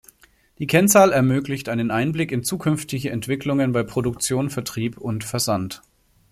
Die Kennzahl ermöglicht einen Einblick in zukünftige Entwicklungen bei Produktion, Vertrieb und Versand.